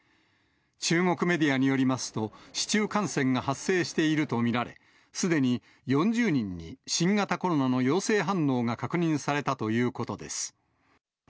中国メディアによりますと、市中感染が発生していると見られ、すでに４０人に新型コロナの陽性反応が確認されたということです。